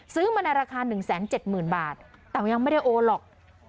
ซื้อมาในราคาหนึ่งแสนเจ็ดหมื่นบาทแต่ยังไม่ได้โอนหรอก